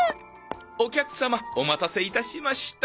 お客様お待たせいたしました。